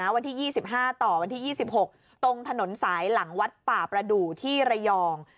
วันที่๒๕๒๖ตรงถนนสายหลังวัดปราปรดุที่เรยอง